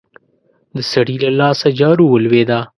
د سړي له لاسه جارو ولوېده.